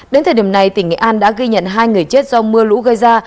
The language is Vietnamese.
đến thời điểm này tỉnh nghệ an đã ghi nhận hai người chết do mưa lũ gây ra